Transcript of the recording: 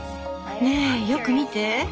ねえよく見て！